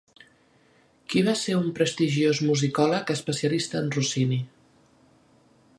Qui va ser un prestigiós musicòleg especialista en Rossini?